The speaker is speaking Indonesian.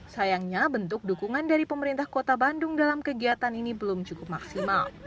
sayangnya bentuk dukungan dari pemerintah kota bandung dalam kegiatan ini belum cukup maksimal